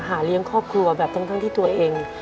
เลี้ยงครอบครัวแบบทั้งที่ตัวเอง